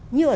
như ở nước